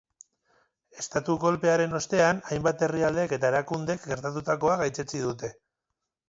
Estatu-kolpearen ostean hainbat herrialdek eta erakundek gertatutakoa gaitzetsi dute.